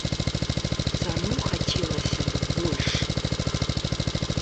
Цану хацелася б больш.